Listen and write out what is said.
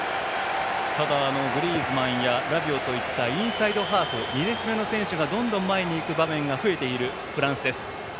ただ、グリーズマンやラビオといったインサイドハーフ２列目の選手がどんどん前にいく場面が増えているフランスです。